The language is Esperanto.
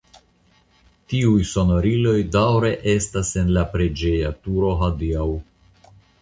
Tiuj sonoriloj daŭre estas en la preĝeja turo hodiaŭ.